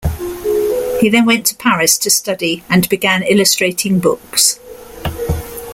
He then went to Paris to study and began illustrating books.